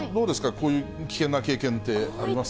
こういう危険な経験ってあります